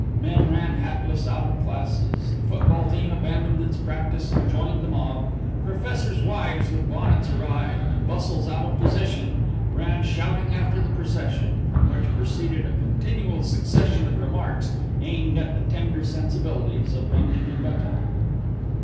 Men ran hatless out of classes, the football team abandoned its practice and joined the mob, professors' wives with bonnets awry and bustles out of position, ran shouting after the procession, from which proceeded a continual succession of remarks aimed at the tender sensibilities of Benjamin Button.